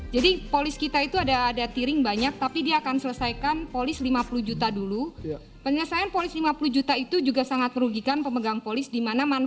jika anda ingin menangani kejelasan